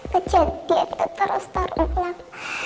kejadian itu terus terusan